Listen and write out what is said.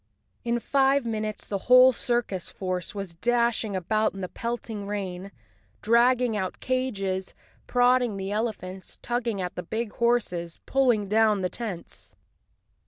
In five minutes the whole circus force was dashing about in the pelting rain, dragging out cages, prodding the elephants, tugging at the big horses, pulling down the tents.